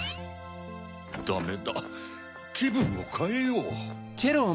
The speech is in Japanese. ダメだきぶんをかえよう。